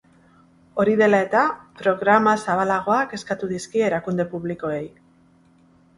Hori dela eta, programa zabalagoak eskatu dizkie erakunde publikoei.